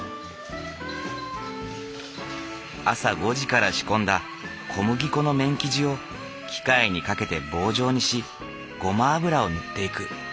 朝５時から仕込んだ小麦粉の麺生地を機械にかけて棒状にしごま油を塗っていく。